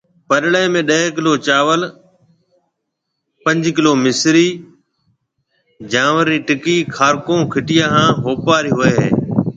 پڏݪيَ ۾ ڏھ ڪلو چاوݪ، پنجھ ڪلو مصرِي، جانور رَي ٽِڪيَ، کارڪون، کِٽيا ھان ھوپارَي ھوئيَ ھيََََ